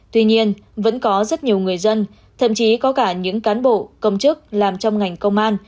tuy nhiên vẫn có rất nhiều người dân thậm chí có cả những cán bộ công chức làm trong ngành công an